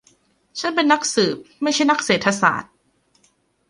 ฉันเป็นนักสืบ ไม่ใช่นักเศรษฐศาสตร์